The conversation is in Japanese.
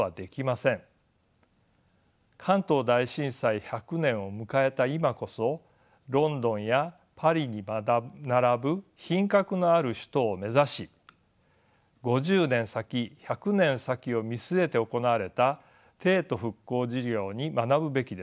関東大震災１００年を迎えた今こそロンドンやパリに並ぶ品格のある首都を目指し５０年先１００年先を見据えて行われた帝都復興事業に学ぶべきです。